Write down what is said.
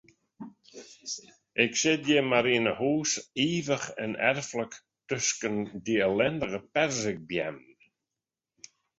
Ik sit hjir mar yn 'e hûs, ivich en erflik tusken dy ellindige perzikbeammen.